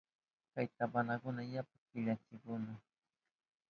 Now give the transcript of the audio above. Kay tabanukuna yapa killachiwahunkuna.